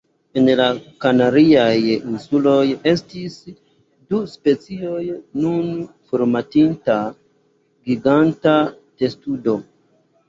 En la Kanariaj Insuloj estis du specioj nun formortinta giganta testudo.